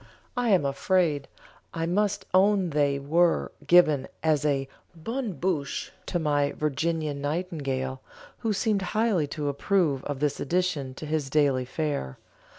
I am afraid I must own they were given as a bonne bouche to my Virginian nightingale, who seemed highly to approve of this addition to his daily fare.